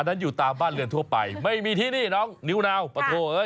นั้นอยู่ตามบ้านเรือนทั่วไปไม่มีที่นี่น้องนิวนาวปะโถเอ้ย